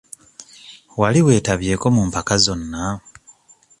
Wali weetabyeko mu mpaka zonna?